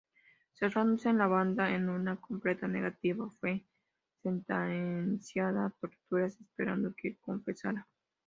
Cerrándose en banda en una completa negativa, fue sentenciada a torturas esperando que confesara.